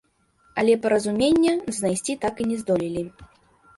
Але паразумення знайсці так і не здолелі.